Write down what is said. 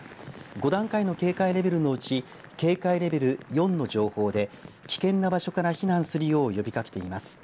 ５段階の警戒レベルのうち警戒レベル４の情報で危険な場所から避難するよう呼びかけています。